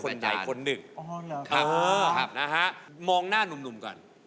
ก็จะเลือกคนใดคนหนึ่งครับมองหน้านุ่มก่อน